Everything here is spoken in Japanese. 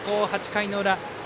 ８回の裏東